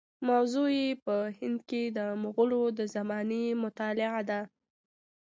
موضوع یې په هند کې د مغولو د زمانې مطالعه ده.